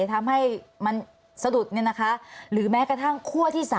ทำให้มันสะดุดหรือแม้กระทั่งคั่วที่๓